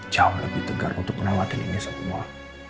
jauh lebih tegar untuk melewati ini semua